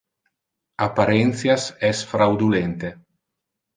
Apparentias es fraudulente.